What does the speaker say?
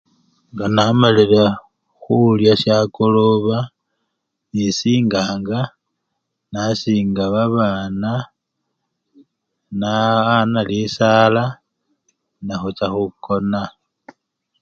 nga namalile hulya sha akoloba, nisinganga, nasinga babana, naa-ana lisaala ne hucha hukona